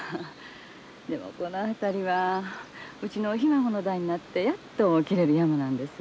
でもこの辺りはうちのひ孫の代になってやっと切れる山なんです。